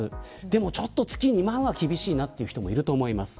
でも、ちょっと月２万は厳しいなという人もいると思います。